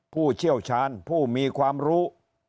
ผู้เชี่ยวชาญผู้มีความรู้